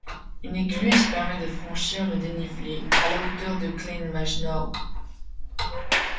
Une écluse permet de franchir le dénivelé à la hauteur de Kleinmachnow.